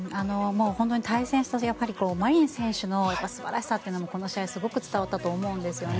対戦したマリン選手の素晴らしさというのもこの試合、すごく伝わったと思うんですよね。